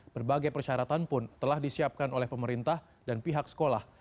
berbagai persyaratan pun telah disiapkan oleh pemerintah dan pihak sekolah